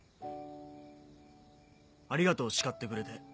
ありがとうしかってくれて。